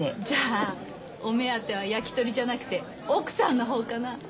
じゃあお目当ては焼き鳥じゃなくて奥さんのほうかな。